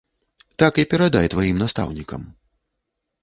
Так і перадай тваім настаўнікам.